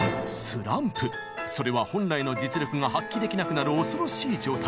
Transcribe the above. それは本来の実力が発揮できなくなる恐ろしい状態。